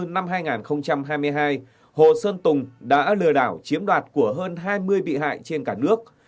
năm hai nghìn hai mươi hai hồ sơn tùng đã lừa đảo chiếm đoạt của hơn hai mươi bị hại trên cả nước